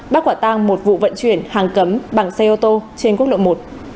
bác quả tăng một vụ vận chuyển hàng cấm bằng xe ô tô trên quốc lộ một